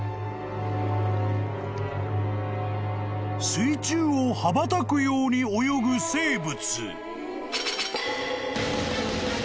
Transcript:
［水中を羽ばたくように泳ぐ生物］